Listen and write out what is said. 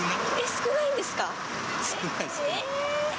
少ないですね。